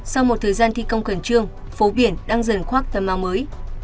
sau một thời gian thi công khẩn trương phố biển đang dần khoác tầm mau mới